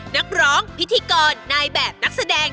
นักร้องพิธีกรนายแบบนักแสดง